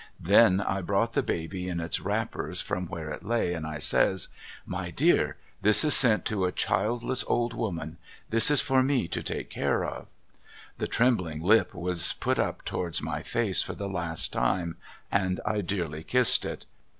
Then I brought the baby in its wrapi)ers from where it lay, and I says :' My dear this is sent to a childless old woman. This is for me to take care of.' The trembling lip was put up towards my face for the last time, and I dearly kissed it.